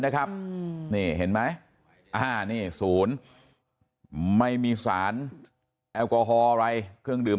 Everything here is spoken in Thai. นี่เห็นไหมนี่ศูนย์ไม่มีสารแอลกอฮอล์อะไรเครื่องดื่ม